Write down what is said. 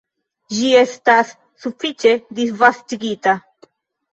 Ĝi estas sufiĉe disvastigita.